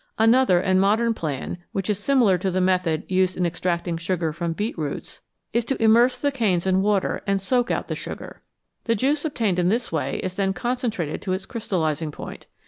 Another and modern plan, which is similar to the method used in extracting sugar from beetroots, 229 SUGAR AND STARCH is to immerse the canes in water and soak out the sugar. The juice obtained in this way is then concentrated to its crystallising point.